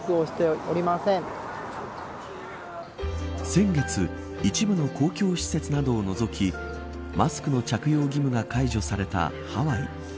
先月、一部の公共施設などを除きマスクの着用義務が解除されたハワイ。